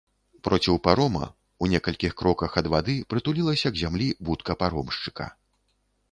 Проціў парома, у некалькі кроках ад вады прытулілася к зямлі будка паромшчыка.